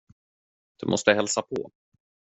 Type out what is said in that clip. Du måste hälsa på.